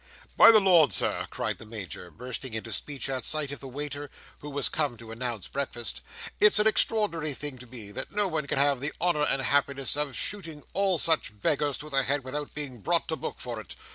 "By the Lord, Sir," cried the Major, bursting into speech at sight of the waiter, who was come to announce breakfast, "it's an extraordinary thing to me that no one can have the honour and happiness of shooting all such beggars through the head without being brought to book for it.